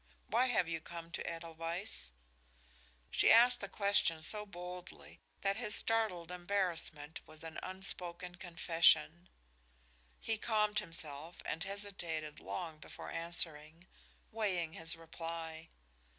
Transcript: Why have you come to Edelweiss?" She asked the question so boldly that his startled embarrassment was an unspoken confession. He calmed himself and hesitated long before answering, weighing his reply.